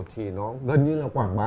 thì nó gần như là quảng bá